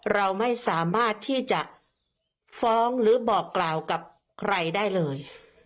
เราไม่สามารถที่จะฟ้องหรือบอกกล่าวกับใครได้เลย